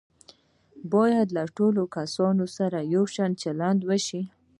باید له ټولو کسانو سره یو شان چلند وشي.